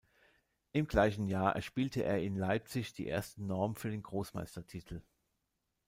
Im gleichen Jahr erspielte er in Leipzig die erste Norm für den Großmeistertitel.